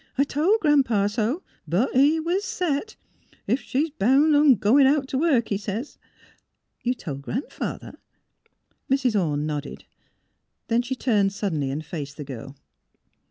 "I toP Gran 'pa so. But he was set. ^ Ef she's bound on goin' out t' work,' he sez " "You told Gran 'father? " Mrs. Orne nodded. Then she turned suddenly and faced the girl.